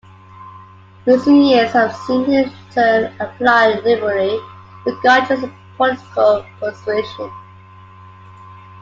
Recent years have seen the term applied liberally regardless of political persuasion.